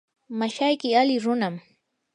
mashayki ali runam.